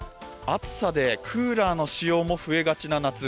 暑さでクーラーの使用も増えがちな夏。